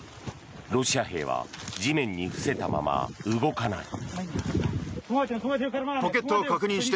ロシア兵は地面に伏せたまま動かない。